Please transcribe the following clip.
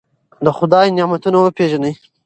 د خدای نعمتونه وپېژنئ.